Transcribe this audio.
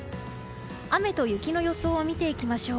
雨と雪の予想を見ていきましょう。